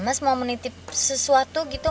mas mau menitip sesuatu gitu